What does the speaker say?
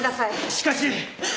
しかし。